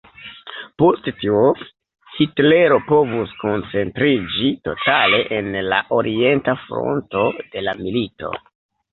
Post tio, Hitlero povus koncentriĝi totale en la Orienta Fronto de la milito.